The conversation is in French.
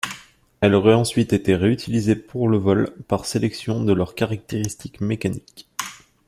Elles auraient ensuite été réutilisées pour le vol, par sélection de leurs caractéristiques mécaniques.